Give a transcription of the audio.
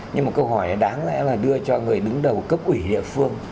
nhưng mà câu hỏi này đáng lẽ là đưa cho người đứng đầu cấp quỷ địa phương